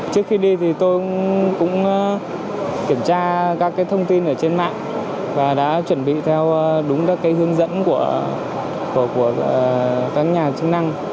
trước khi đi thì tôi cũng kiểm tra các thông tin ở trên mạng và đã chuẩn bị theo đúng các hướng dẫn của các nhà chức năng